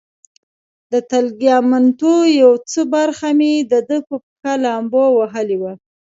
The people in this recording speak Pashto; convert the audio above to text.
د تګلیامنتو یو څه برخه مې د ده په پښه لامبو وهلې وه.